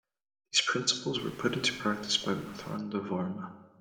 These principles were put into practice by Marthanda Varma.